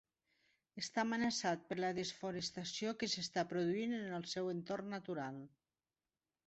Està amenaçat per la desforestació que s'està produint al seu entorn natural.